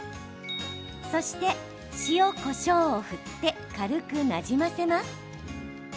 そして、塩、こしょうを振って軽くなじませます。